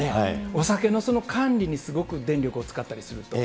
お酒の管理にすごく電力を使ったりすると。